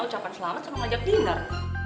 ucapan selamat sama ngajak dindar